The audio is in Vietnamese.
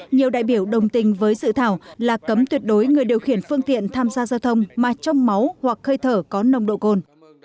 nhiều đại biểu đồng tình với dự thảo là cấm tuyệt đối người điều khiển phương tiện tham gia giao thông mà trong máu hoặc hơi thở có nồng độ cồn